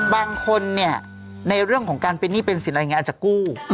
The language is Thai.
บางคนในเรื่องของการเป็นหนี้เป็นสินอะไรอาจจะกู้